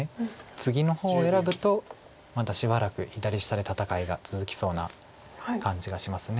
ツギの方を選ぶとまたしばらく左下で戦いが続きそうな感じがします。